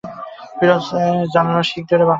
ফিরোজ জানালার শিক ধরে বাঁকাতে লাগল।